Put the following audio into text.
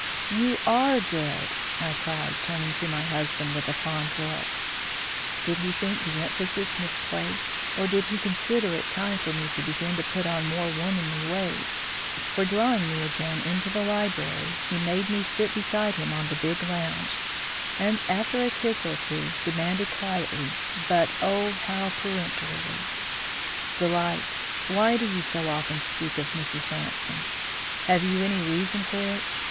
"You are good," I cried, turning to my husband with a fond look. Did he think the emphasis misplaced, or did he consider it time for me to begin to put on more womanly ways, for drawing me again into the library, he made me sit beside him on the big lounge, and after a kiss or two, demanded quietly, but oh, how peremptorily: "Delight, why do you so often speak of Mrs. Ransome? Have you any reason for it?